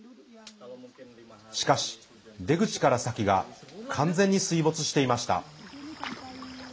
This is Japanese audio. しかし、出口から先が完全に水没していました。